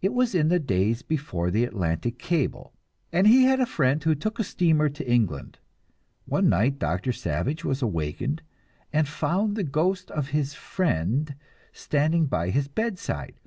It was in the days before the Atlantic cable, and he had a friend who took a steamer to England. One night Doctor Savage was awakened and found the ghost of his friend standing by his bedside.